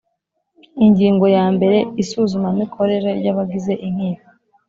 Ingingo ya mbere Isuzumamikorere ry’abagize inkiko